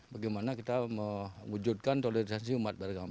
bagaimana kita mewujudkan toleransi umat beragama